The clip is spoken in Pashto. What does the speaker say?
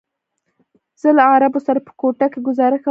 زه له عربو سره په کوټه کې ګوزاره کولی شم.